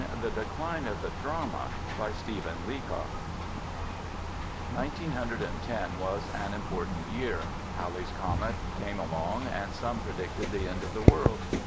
THE DECLINE OF THE DRAMA By STEPHEN LEACOCK Nineteen hundred and ten was an important year. Halley's comet came along, and some predicted the End of the World.